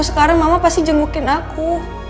sekarang mama pasti jengukin aku